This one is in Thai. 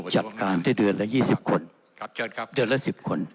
จัดการได้เดือนละ๒๐คนเดือนละ๑๐คน